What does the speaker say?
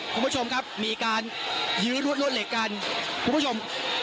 คุณผู้ชมครับมีการยื้อรวดรวดเหล็กกันคุณผู้ชม